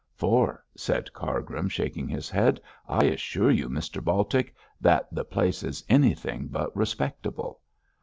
'For,' said Cargrim, shaking his head, 'I assure you, Mr Baltic, that the place is anything but respectable.'